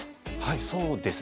そうですね